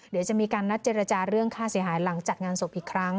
เดี๋ยวจะมีการนัดเจรจาเรื่องค่าเสียหายหลังจัดงานศพอีกครั้ง